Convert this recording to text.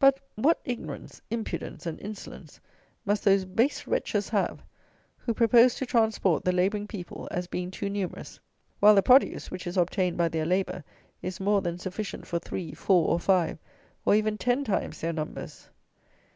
But, what ignorance, impudence, and insolence must those base wretches have, who propose to transport the labouring people, as being too numerous, while the produce, which is obtained by their labour, is more than sufficient for three, four, or five, or even ten times their numbers!